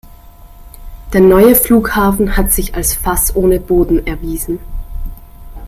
Der neue Flughafen hat sich als Fass ohne Boden erwiesen.